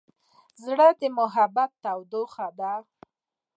زړه د محبت تودوخه ده.